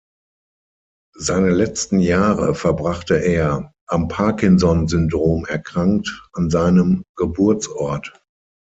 Seine letzten Jahre verbrachte er, am Parkinson-Syndrom erkrankt, an seinem Geburtsort.